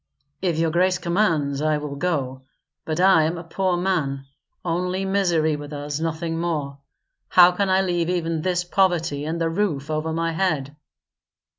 "If your grace commands I will go, but I am a poor man. Only misery with us; nothing more. How can I leave even this poverty and the roof over my head?"